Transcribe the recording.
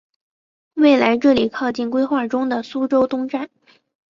未来这里靠近规划中的苏州东站。